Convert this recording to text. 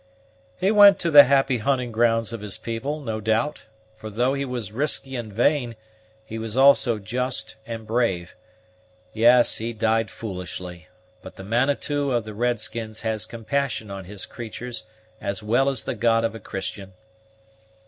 "He went to the happy hunting grounds of his people, no doubt; for though he was risky and vain, he was also just and brave. Yes, he died foolishly, but the Manitou of the red skins has compassion on his creatur's as well as the God of a Christian."